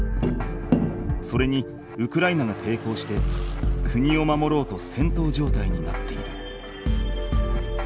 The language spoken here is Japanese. それにウクライナがていこうして国を守ろうとせんとう状態になっている。